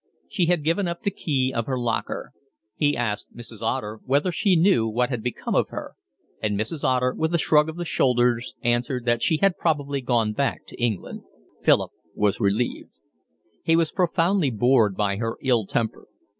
She had given up the key of her locker. He asked Mrs. Otter whether she knew what had become of her; and Mrs. Otter, with a shrug of the shoulders, answered that she had probably gone back to England. Philip was relieved. He was profoundly bored by her ill temper.